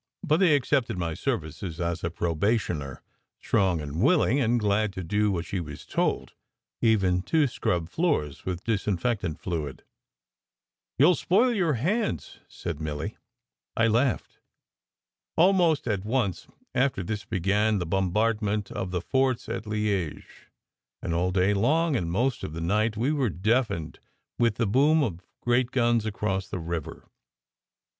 But they accepted my services as a probationer, strong and willing, and glad to do what she was told, even to scrub floors with disinfectant fluid. "You ll spoil you hands," said Milly. I laughed. Almost at once after this began the bombardment of the forts at Liege; and all day long and most of the night we 216 SECRET HISTORY were deafened with the boom of great guns across the river.